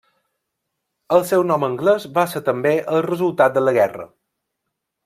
El seu nom anglès va ser també el resultat de la guerra.